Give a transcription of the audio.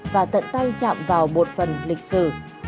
và tận tay chạm vào một phần lịch sử